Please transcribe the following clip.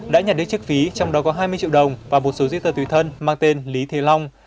đã nhận được chức phí trong đó có hai mươi triệu đồng và một số riết tờ tùy thân mang tên lý thế long